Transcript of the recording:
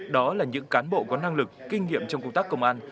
đó là những cán bộ có năng lực kinh nghiệm trong công tác công an